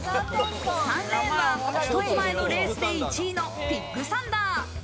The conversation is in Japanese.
３レーンは一つ前のレースで１位のピッグサンダー。